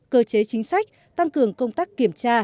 cơ chế chính sách tăng cường công tác kiểm tra